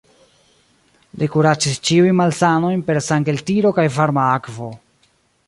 Li kuracis ĉiujn malsanojn per sangeltiro kaj varma akvo.